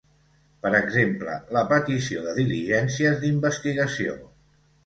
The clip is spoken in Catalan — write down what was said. Per exemple, la petició de diligències d’investigació.